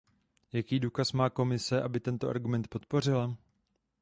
Jaký důkaz má Komise, aby tento argument podpořila?